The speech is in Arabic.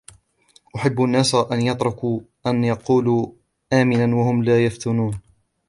أحسب الناس أن يتركوا أن يقولوا آمنا وهم لا يفتنون